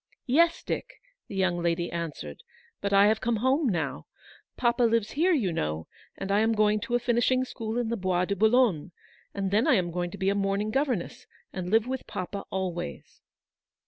"Yes, Dick," the young lady answered; "but I have come home now. Papa lives here, you know, and I am going to a finishing school in the Bois de Boulogne, and then I am going to be a morning governess, and live with papa always."